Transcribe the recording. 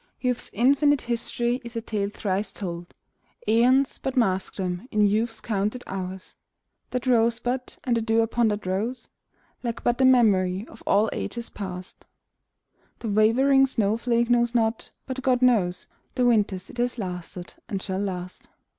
Youth's infinite history is a tale thrice told — Aeons but mask them in Youth's counted hours. That rosebud, and the dew upon that rose, Lack but the memory of all ages past; The wavering snowflake knows not — but God knows The winters it has lasted and shall last